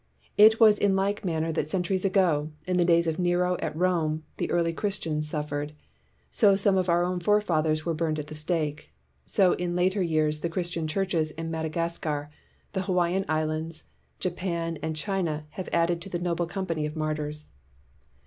It was in like manner that centuries ago, in the days of Nero at Rome, the early Christians suffered. So some of our own forefathers were burned at the stake. So in later years the Christian churches in Madagascar, the Hawaiian Islands, Japan, and China have added to the noble company of martyrs.